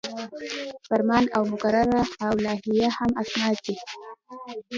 فرمان او مقرره او لایحه هم اسناد دي.